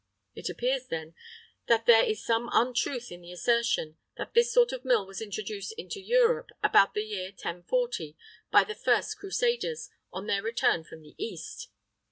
[III 48] It appears, then, that there is some untruth in the assertion, that this sort of mill was introduced into Europe, about the year 1040, by the first Crusaders, on their return from the East.